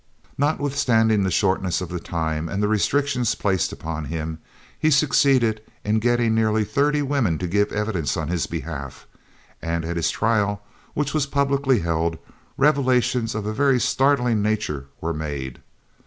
Notwithstanding the shortness of the time and the restrictions placed upon him, he succeeded in getting nearly thirty women to give evidence on his behalf, and at his trial, which was publicly held, revelations of a very startling nature were made.